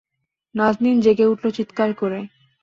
নাজনীন জেগে উঠল চিৎকার করে।